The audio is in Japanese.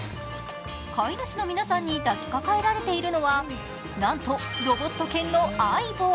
飼い主の皆さんに抱きかかえられているのはなんとロボット犬のＡＩＢＯ。